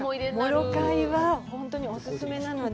モロカイは本当にお勧めなので。